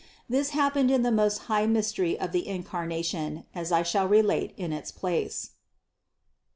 This happened in the most high mystery of the Incarnation, as I shall relate in its place (Part II, 119, 133).